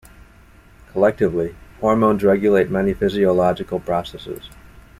Collectively, hormones regulate many physiological processes.